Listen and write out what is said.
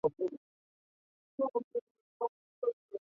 现存大部分的目多在白垩纪或之前就已出现。